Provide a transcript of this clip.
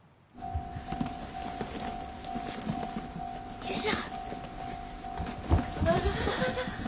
よいしょ！